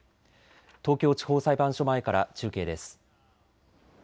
東京地方裁判所前から中継です。